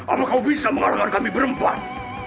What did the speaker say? apa kau bisa mengalahkan kami berempat